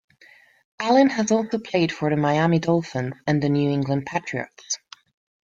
Allen has also played for the Miami Dolphins and New England Patriots.